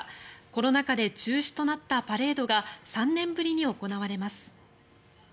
コロナ禍で中止となったパレードが３年ぶりに行われます。